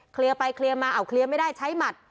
ไปเคลียร์มาเอาเคลียร์ไม่ได้ใช้หมัด